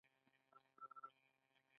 پښتون یو مسلمان قوم دی.